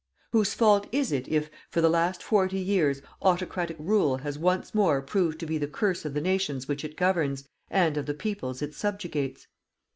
Whose fault is it if, for the last forty years, autocratic rule has once more proved to be the curse of the nations which it governs, and of the peoples it subjugates?